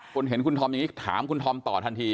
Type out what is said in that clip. เห็นคุณธอมอย่างนี้ถามคุณธอมต่อทันที